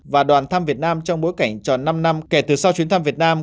và đoàn thăm việt nam trong bối cảnh tròn năm năm kể từ sau chuyến thăm việt nam